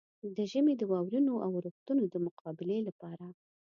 د ژمي د واورينو اورښتونو د مقابلې لپاره.